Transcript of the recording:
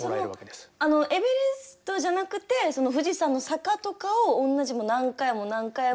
そのエベレストじゃなくて富士山の坂とかをおんなじもう何回も何回も。